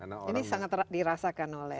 ini sangat dirasakan oleh